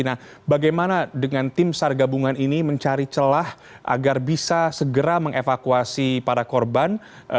nah bagaimana dengan tim sar gabungan ini mencari celah agar bisa segera mengevakuasi para korban